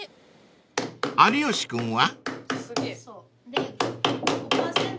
［有吉君は？］